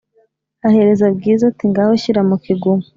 ahereza bwiza ati"ngaho shyira mu kiguma